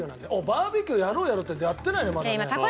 バーベキューやろうやろうって言ってやってないねまだ。